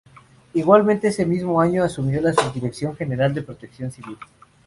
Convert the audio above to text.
Igualmente, ese mismo año asumió la Subdirección General de Protección Civil.